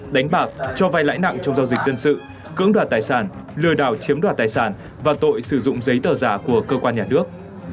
đánh bạc cho vay lãi nặng trong giao dịch dân sự cưỡng đoạt tài sản lừa đảo chiếm đoạt tài sản và tội sử dụng giấy tờ giả của cơ quan nhà nước